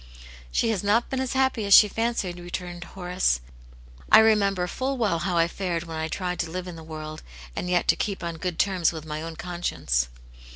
" She has not been as happy as she fancied," re turned Horace. " I remember full well how I fared when I tried to live in the world, and yet to keep on good terms with my own conscience."